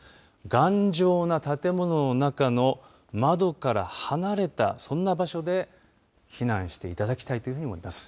頑丈な建物の中の窓から離れた、そんな場所で避難していただきたいというふうに思います。